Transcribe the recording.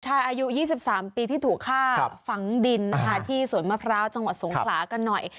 อายุ๒๓ปีที่ถูกฆ่าฝังดินนะคะที่สวนมะพร้าวจังหวัดสงขลากันหน่อย